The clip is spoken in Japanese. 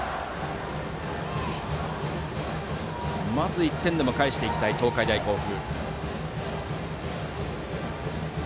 まず１点でも返したい東海大甲府。